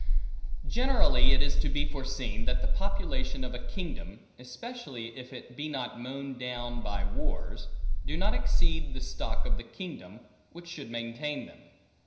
Generally, it is to be foreseen that the population of a kingdom (especially if it be not mown down by wars) do not exceed the stock of the kingdom, which should maintain them.